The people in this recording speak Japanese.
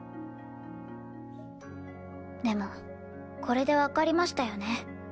でもこれでわかりましたよね？